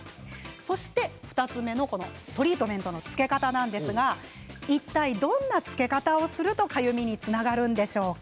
そして２つ目のトリートメントのつけ方なんですがいったい、どんなつけ方をするとかゆみにつながるんでしょうか。